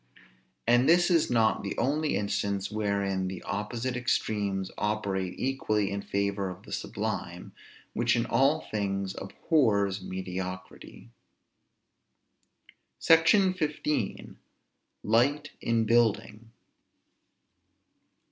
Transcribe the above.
And this is not the only instance wherein the opposite extremes operate equally in favor of the sublime, which in all things abhors mediocrity. SECTION XV. LIGHT IN BUILDING.